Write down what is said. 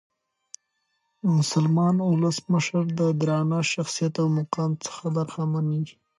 مسلمان اولس مشر د درانه شخصیت او مقام څخه برخمن يي.